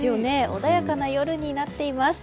穏やかな夜になっています。